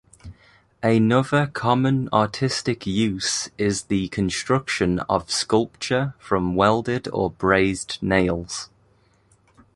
Another common artistic use is the construction of sculpture from welded or brazed nails.